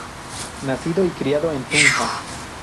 Nacido y criado en Tunja.